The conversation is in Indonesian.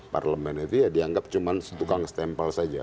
parlemen itu ya dianggap cuma tukang stempel saja